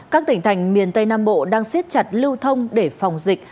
các tỉnh thành miền tây nam bộ đang siết chặt lưu thông để phòng dịch